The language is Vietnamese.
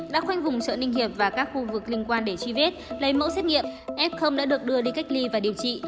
đã khoanh vùng chợ ninh hiệp và các khu vực liên quan để truy vết lấy mẫu xét nghiệm f đã được đưa đi cách ly và điều trị